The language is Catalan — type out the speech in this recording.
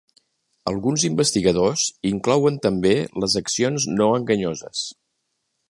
Alguns investigadors inclouen també les accions no enganyoses.